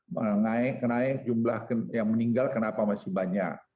mengenai jumlah yang meninggal kenapa masih banyak